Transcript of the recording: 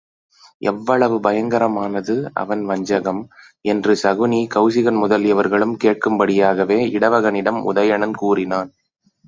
எவ்வளவு பயங்கரமானது அவன் வஞ்சகம்? என்று சகுனி கெளசிகன் முதலியவர்களும் கேட்கும் படியாகவே இடவகனிடம் உதயணன் கூறினான்.